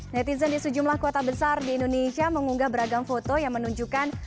netizen di sejumlah kota besar di indonesia mengunggah beragam foto yang menunjukkan